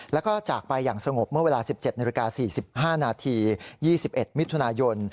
แล้วก็จากไปอย่างสงบเมื่อเวลา๑๗๔๕น๒๑มิถุนายน